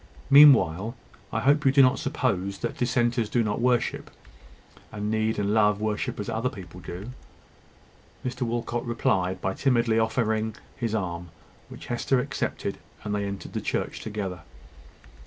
Meanwhile, I hope you do not suppose that dissenters do not worship and need and love worship as other people do!" Mr Walcot replied by timidly offering his arm, which Hester accepted, and they entered the church together.